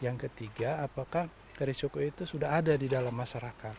yang ketiga apakah risiko itu sudah ada di dalam masyarakat